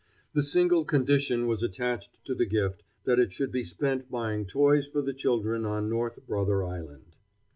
The single condition was attached to the gift that it should be spent buying toys for the children on North Brother Island.